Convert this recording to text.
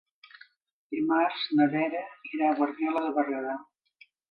Dimarts na Vera irà a Guardiola de Berguedà.